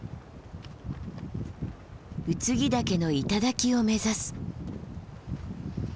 空木岳の頂を目指す。